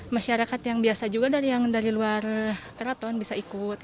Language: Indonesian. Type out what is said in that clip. masyarakat yang biasa juga dari luar keraton bisa ikut